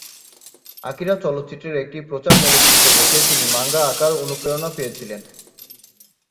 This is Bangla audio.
আকিরা চলচ্চিত্রের একটি প্রচারমূলক চিত্র দেখে তিনি মাঙ্গা আঁকার অনুপ্রেরণা পেয়েছিলেন।